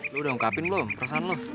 lu udah ungkapin belum perasaan lu